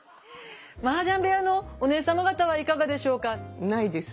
マージャン部屋のお姉様方はいかがでしょうか？